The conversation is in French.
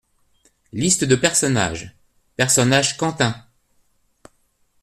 liste-de-personnages PERSONNAGES QUENTIN.